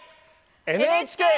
ＮＨＫ。